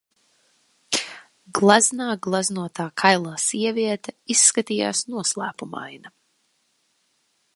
Gleznā gleznotā kailā sieviete izskatījās noslēpumaina